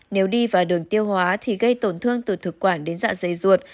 nếu đi vào đường tiêu hóa thì gây tổn thương từ thực quản đến dạ dày ruột